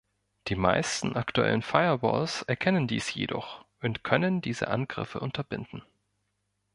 Die meisten aktuellen Firewalls erkennen dies jedoch und können diese Angriffe unterbinden.